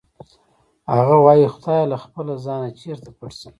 هغه وایی خدایه له خپله ځانه چېرې پټ شم